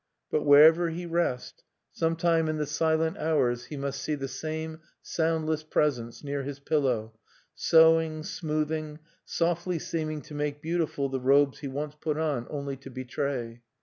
But wherever he rest, sometime in the silent hours he must see the same soundless presence near his pillow, sewing, smoothing, softly seeming to make beautiful the robes he once put on only to betray.